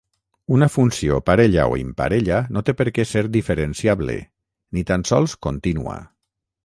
Una funció parella o imparella no té per què ser diferenciable, ni tan sols contínua.